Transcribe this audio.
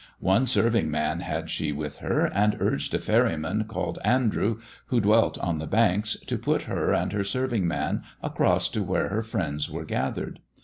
One serving man had she with her, and urged a ferryman called Andrew, who dwelt on the banks, to put her and her serving man across to where her friends were gathered.